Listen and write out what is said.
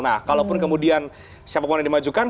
nah kalaupun kemudian siapapun yang dimajukan